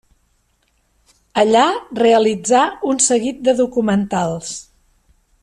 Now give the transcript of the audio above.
Allà realitzà un seguit de documentals.